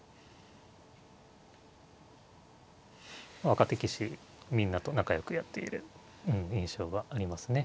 若手棋士みんなと仲よくやっている印象がありますね。